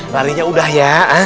larinya udah ya